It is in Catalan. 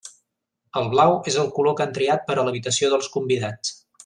El blau és el color que han triat per a l'habitació dels convidats.